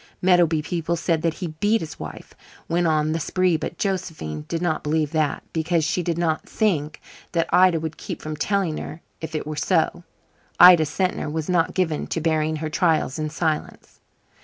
Meadowby people said that he beat his wife when "on the spree," but Josephine did not believe that, because she did not think that Ida could keep from telling her if it were so. Ida Sentner was not given to bearing her trials in silence.